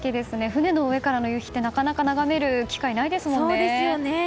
船の上からの夕陽ってなかなか眺める機会がないですものね。